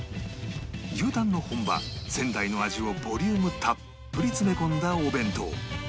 牛たんの本場仙台の味をボリュームたっぷり詰め込んだお弁当